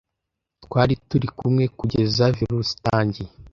twari turi kumwe kugeza virusi itangiye